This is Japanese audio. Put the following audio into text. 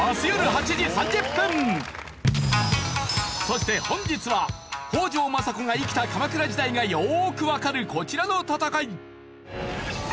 そして本日は北条政子が生きた鎌倉時代がよーくわかるこちらの戦い。